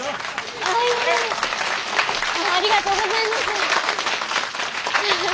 ありがとうございます。